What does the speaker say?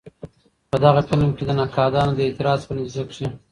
په غه فلم د نقادانو د اعتراض په نتيجه کښې